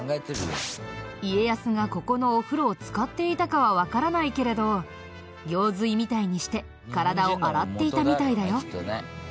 家康がここのお風呂を使っていたかはわからないけれど行水みたいにして体を洗っていたみたいだよ。